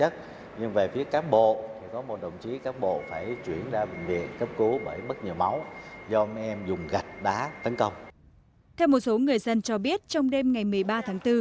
theo một số người dân cho biết trong đêm ngày một mươi ba tháng bốn